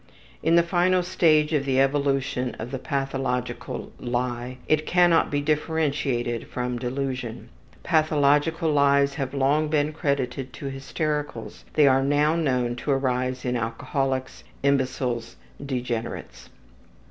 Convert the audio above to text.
In the final stage of the evolution of the pathological lie, it cannot be differentiated from delusion. Pathological lies have long been credited to hystericals, they are now known to arise in alcoholics, imbeciles, degenerates.